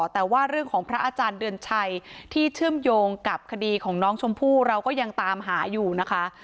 แต่ว่าเรื่องของพระอาจารย์เดือนชัยที่เชื่อมโยงกับคดีของน้องชมพู่เราก็ยังตามหาอยู่นะคะ